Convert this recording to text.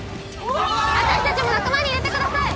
あたしたちも仲間に入れてください！